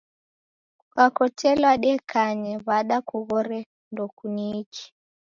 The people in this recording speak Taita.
Kukakotelwa dekanye w'ada kughore ndokuniichi.